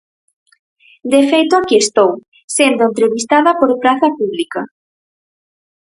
De feito aquí estou, sendo entrevistada por Praza Pública.